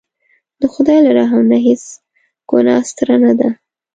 د خدای له رحم نه هېڅ ګناه ستره نه ده.